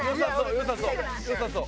良さそう！